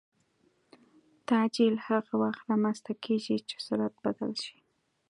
تعجیل هغه وخت رامنځته کېږي چې سرعت بدل شي.